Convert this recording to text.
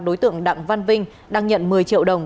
đối tượng đặng văn vinh đang nhận một mươi triệu đồng